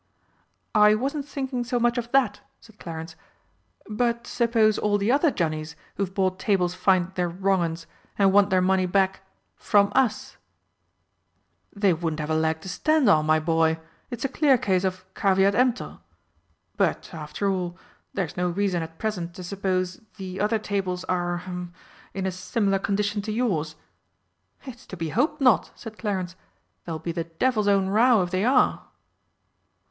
"I wasn't thinking so much of that," said Clarence, "but suppose all the other johnnies who've bought tables find they're wrong 'uns, and want their money back from us?" "They wouldn't have a leg to stand on, my boy. It's a clear case of 'Caveat emptor.' But, after all, there's no reason at present to suppose the other tables are hem in a similar condition to yours." "It's to be hoped not," said Clarence. "There'll be the devil's own row if they are."